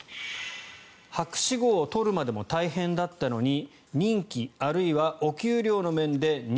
博士号を取るまでも大変だったのに任期、あるいはお給料の面で２３年